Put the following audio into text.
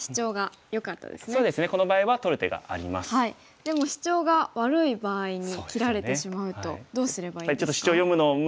でもシチョウが悪い場合に切られてしまうとどうすればいいですか？